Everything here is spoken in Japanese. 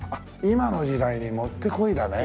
今の時代にもってこいだね。